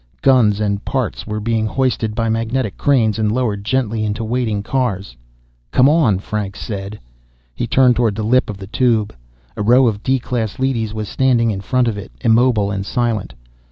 Guns and parts were being hoisted by magnetic cranes and lowered gently onto waiting carts. "Come on," Franks said. He turned toward the lip of the Tube. A row of D class leadys was standing in front of it, immobile and silent.